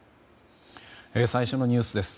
最初のニュースです。